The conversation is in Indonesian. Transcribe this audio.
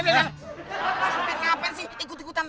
mas legiman sampein kapan sih ikut ikutan